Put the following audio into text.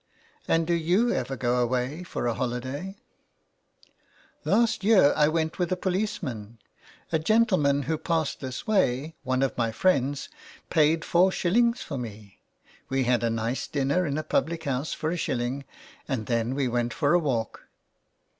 " And do you ever go away for a holiday ?"" Last year I went with a policeman. A gentleman who passes this way, one of my friends, paid four shillings for me. We had a nice dinner in a public house for a shilling, and then we went for a walk."